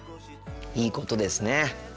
いいことですね。